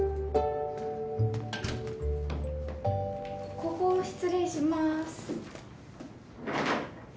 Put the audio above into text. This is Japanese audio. ここ失礼します。